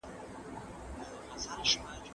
دا کتاب زما د پوهنځي یوه یادګار دی.